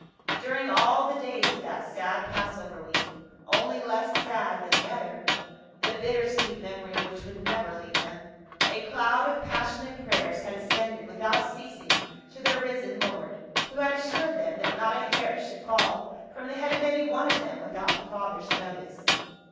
During all the days of that sad Passover week — only less sad than one other, the bitter sweet memory of which would never leave them — a cloud of passion ate prayers had ascended without ceasing to their risen Lord, who had assured them that not a hair should fall from the head of any one of them without the Father's notice.